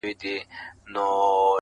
اوس به څوك د ارغسان پر څپو ګرځي،